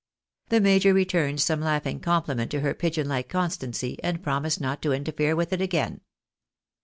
The major returned some laughing compliment to her pigeon like constancy, and promised not to interfere with it again.